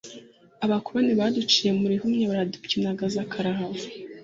abakoroni baduciye mu rihumye baradupyinagaza karahava